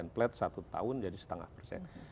plat satu tahun jadi setengah persen